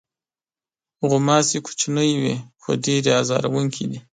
غوماشې کوچنۍ وي، خو ډېرې آزاروونکې دي.